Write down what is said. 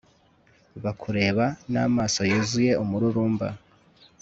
bakureba n'amaso yuzuye umururumba